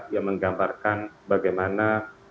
yang menggambarkan bagaimana